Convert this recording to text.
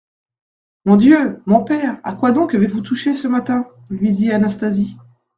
Mon Dieu ! mon père, à quoi donc avez-vous touché ce matin ? lui dit Anastasie.